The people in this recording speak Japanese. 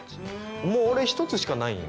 もう俺一つしかないんよ。